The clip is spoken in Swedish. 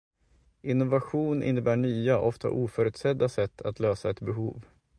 Innovation innebär nya, ofta oförutsedda, sätt att lösa ett behov.